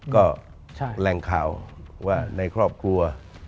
ก็แรงข่าวว่าในครอบครัว